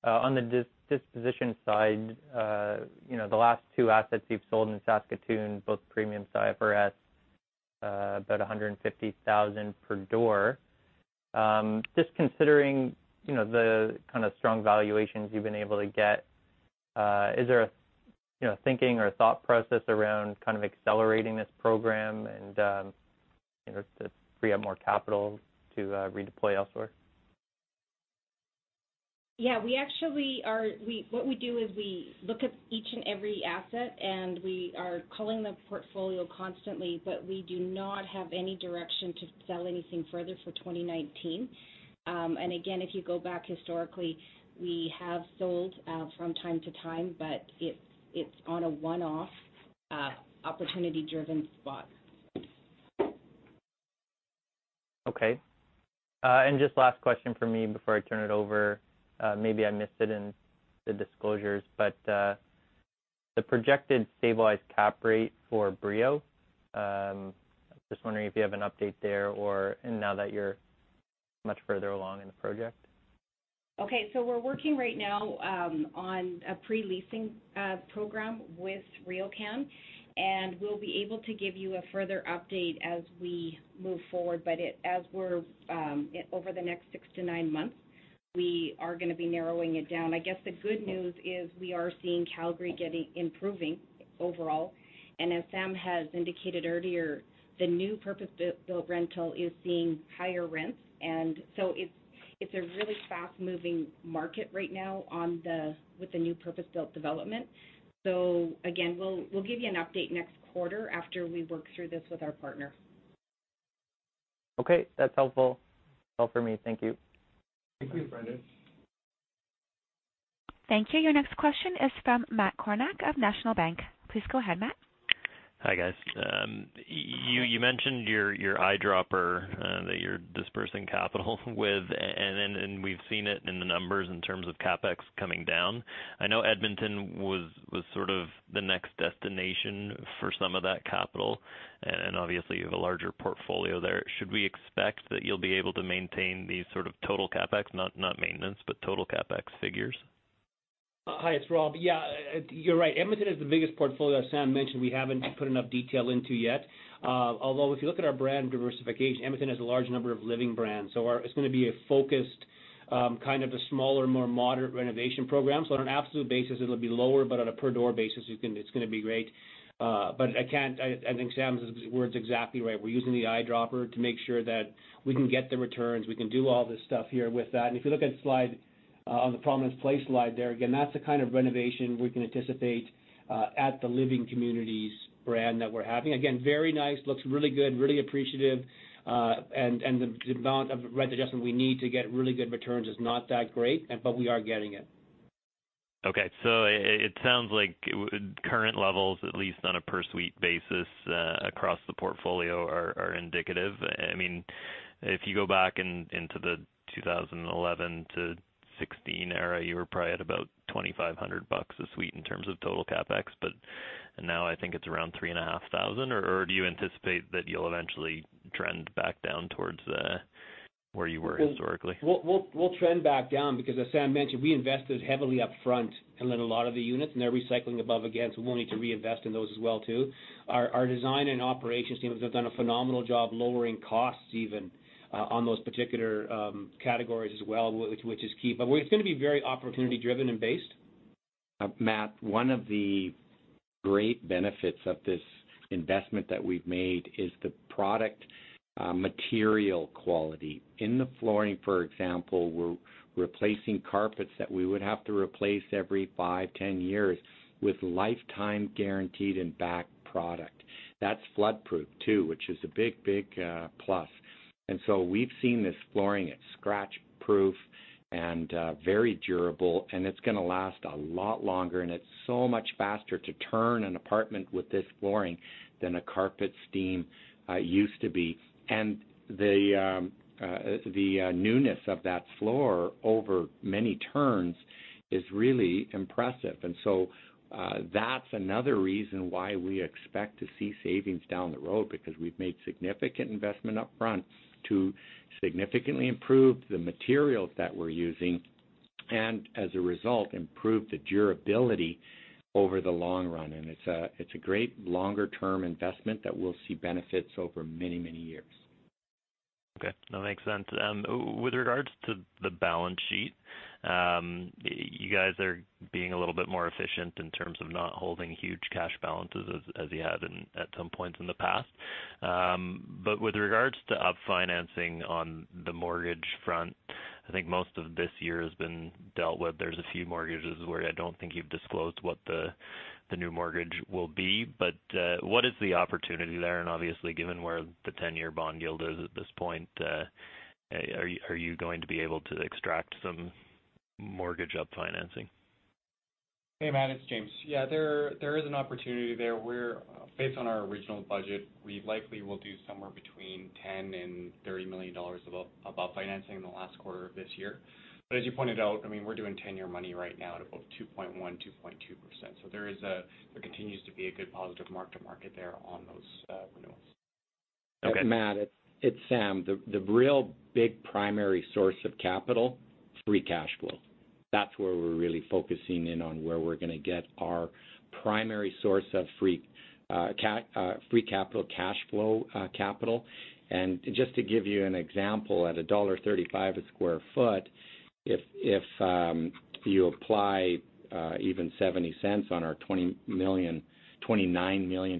on the disposition side, the last two assets you've sold in Saskatoon, both premium IFRS, about 150,000 per door. Just considering the kind of strong valuations you've been able to get, is there a thinking or a thought process around accelerating this program to free up more capital to redeploy elsewhere? Yeah. What we do is we look at each and every asset, and we are culling the portfolio constantly, but we do not have any direction to sell anything further for 2019. Again, if you go back historically, we have sold from time to time, but it's on a one-off, opportunity-driven spot. Okay. Just last question from me before I turn it over. Maybe I missed it in the disclosures, the projected stabilized cap rate for Brio, I'm just wondering if you have an update there now that you're much further along in the project. Okay. We're working right now on a pre-leasing program with RioCan, and we'll be able to give you a further update as we move forward. Over the next six to nine months, we are going to be narrowing it down. I guess the good news is we are seeing Calgary improving overall. As Sam has indicated earlier, the new purpose-built rental is seeing higher rents. It's a really fast-moving market right now with the new purpose-built development. Again, we'll give you an update next quarter after we work through this with our partner. Okay, that's helpful. All for me. Thank you. Thank you, Brendon. Thank you. Your next question is from Matt Kornack of National Bank. Please go ahead, Matt. Hi, guys. You mentioned your eyedropper that you're dispersing capital with, and we've seen it in the numbers in terms of CapEx coming down. I know Edmonton was sort of the next destination for some of that capital, and obviously, you have a larger portfolio there. Should we expect that you'll be able to maintain these sort of total CapEx, not maintenance, but total CapEx figures? Hi, it's Rob. Yeah, you're right. Edmonton is the biggest portfolio. As Sam mentioned, we haven't put enough detail into yet. If you look at our brand diversification, Edmonton has a large number of Living brands. It's going to be a focused, kind of a smaller, more moderate renovation program. On an absolute basis, it'll be lower, but on a per-door basis, it's going to be great. I think Sam's words are exactly right. We're using the eyedropper to make sure that we can get the returns, we can do all this stuff here with that. If you look at the Prominence Place slide there, again, that's the kind of renovation we can anticipate at the Boardwalk Living brand that we're having. Again, very nice. Looks really good, really appreciative. The amount of rent adjustment we need to get really good returns is not that great, but we are getting it. Okay. It sounds like current levels, at least on a per-suite basis across the portfolio, are indicative. If you go back into the 2011 to 2016 era, you were probably at about 2,500 bucks a suite in terms of total CapEx. Now I think it's around 3,500. Do you anticipate that you'll eventually trend back down towards where you were historically? We'll trend back down because as Sam mentioned, we invested heavily upfront in a lot of the units, and they're recycling above again, so we'll need to reinvest in those as well too. Our design and operations team have done a phenomenal job lowering costs even on those particular categories as well, which is key. It's going to be very opportunity-driven and based. Matt, one of the great benefits of this investment that we've made is the product material quality. In the flooring, for example, we're replacing carpets that we would have to replace every five, 10 years with lifetime guaranteed and backed product. That's flood-proof too, which is a big plus. We've seen this flooring. It's scratch-proof and very durable, and it's going to last a lot longer, and it's so much faster to turn an apartment with this flooring than a carpet steam used to be. The newness of that floor over many turns is really impressive. That's another reason why we expect to see savings down the road, because we've made significant investment upfront to significantly improve the materials that we're using and, as a result, improve the durability over the long run. It's a great longer-term investment that we'll see benefits over many years. Okay. That makes sense. With regards to the balance sheet, you guys are being a little bit more efficient in terms of not holding huge cash balances as you have at some points in the past. With regards to up financing on the mortgage front, I think most of this year has been dealt with. There's a few mortgages where I don't think you've disclosed what the new mortgage will be. What is the opportunity there? Obviously, given where the 10-year bond yield is at this point, are you going to be able to extract some mortgage up financing? Hey, Matt, it's James. Yeah, there is an opportunity there where, based on our original budget, we likely will do somewhere between 10 million and 30 million dollars of up financing in the last quarter of this year. As you pointed out, we're doing 10-year money right now at about 2.1%, 2.2%. There continues to be a good positive mark to market there on those renewals. Okay. Matt, it's Sam. The real big primary source of capital, free cash flow. That's where we're really focusing in on where we're going to get our primary source of free capital cash flow capital. Just to give you an example, at dollar 1.35 a square foot, if you apply even 0.70 on our 29 million,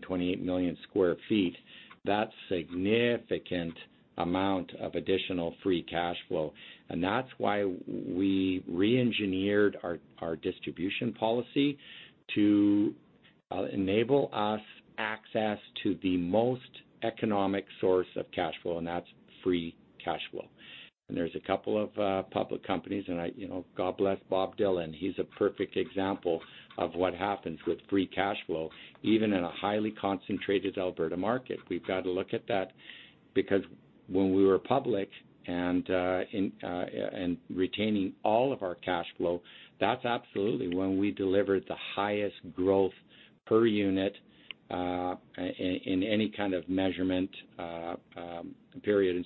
28 million square feet, that's significant amount of additional free cash flow. That's why we re-engineered our distribution policy to enable us access to the most economic source of cash flow, and that's free cash flow. There's a couple of public companies, and God bless Bob Dhillon. He's a perfect example of what happens with free cash flow, even in a highly concentrated Alberta market. We've got to look at that because when we were public and retaining all of our cash flow, that's absolutely when we delivered the highest growth per unit in any kind of measurement period.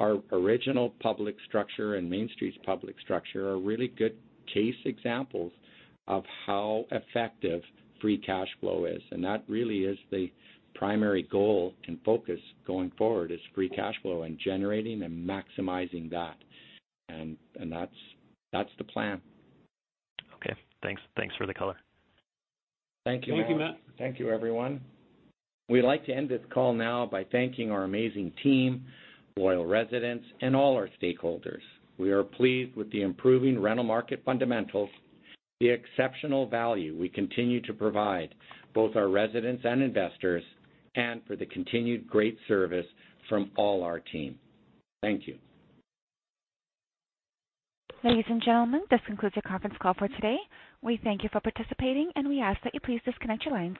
Our original public structure and Mainstreet's public structure are really good case examples of how effective free cash flow is. That really is the primary goal and focus going forward, is free cash flow, and generating and maximizing that. That's the plan. Okay. Thanks for the color. Thank you, all. Thank you, Matt. Thank you, everyone. We'd like to end this call now by thanking our amazing team, loyal residents, and all our stakeholders. We are pleased with the improving rental market fundamentals, the exceptional value we continue to provide both our residents and investors, and for the continued great service from all our team. Thank you. Ladies and gentlemen, this concludes your conference call for today. We thank you for participating, and we ask that you please disconnect your lines.